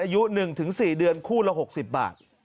อายุ๑๔เดือนคู่ละ๖๐บาท